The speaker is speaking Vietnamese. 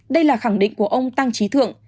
đây là khẳng định của ông tăng trí thượng